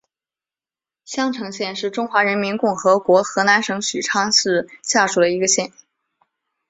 襄城县是中华人民共和国河南省许昌市下属的一个县。